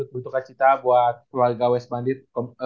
buat keluarga west bandit